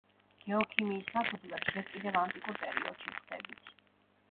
გეოქიმიის საფუძვლებს ჯერ კიდევ ანტიკურ პერიოდში ვხვდებით.